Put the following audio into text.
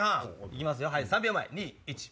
行きますよ３秒前２１。